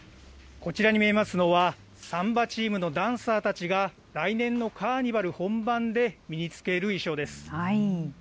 こちらに見えますのは、サンバチームのダンサーたちが、来年のカーニバル本番で身に着ける衣装です。